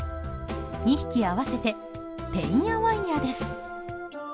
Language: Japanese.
２匹合わせて「てんやわんや」です。